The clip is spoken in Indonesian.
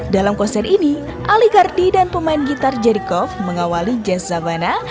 dalam konser ini ali gardi dan pemain gitar jerikov mengawali jazz zabana